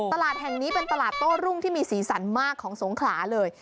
ตลาดแห่งนี้เป็นตลาดโต้รุ่งที่มีสีสันมากของสงขลาเลย